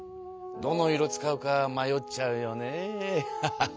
どの色使うか迷っちゃうよね。